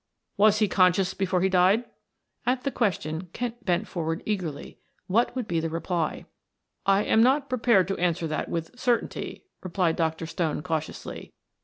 "Was he conscious before he died?" At the question Kent bent eagerly forward. What would be the reply? "I am not prepared to answer that with certainty," replied Dr. Stone cautiously.